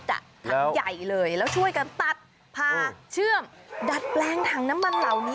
ถังใหญ่เลยแล้วช่วยกันตัดพาเชื่อมดัดแปลงถังน้ำมันเหล่านี้